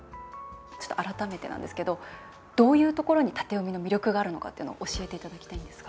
改めてなんですけどどういうところに、縦読みの魅力があるのかっていうのを教えていただきたいんですが。